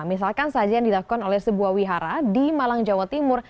misalkan saja yang dilakukan oleh sebuah wihara di malang jawa timur